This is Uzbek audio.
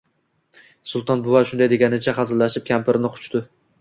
Sulton buva shunday deganicha hazillashib kampirini quchdi